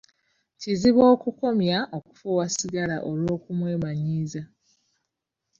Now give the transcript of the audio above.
Kizibu okukomya okufuuwa sigala olw'okumwemanyiza.